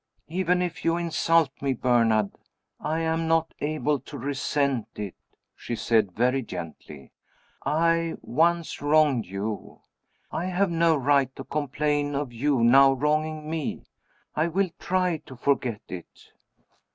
"Even if you insult me, Bernard, I am not able to resent it," she said, very gently. "I once wronged you I have no right to complain of your now wronging me. I will try to forget it."